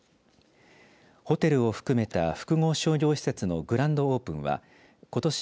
ホテルを含めた複合商業施設のグランドオープンはことし